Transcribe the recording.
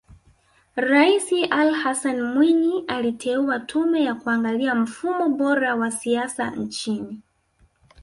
Rais Ali Hassan Mwinyi aliteua Tume ya kuangalia mfumo bora wa siasa nchini